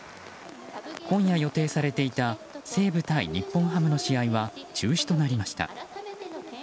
今夜、予定されていた西武対日本ハムの試合は中止となりました。